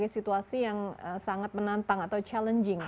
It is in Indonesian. situasi yang sangat menantang atau challenging